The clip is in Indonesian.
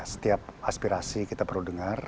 setiap aspirasi kita perlu dengar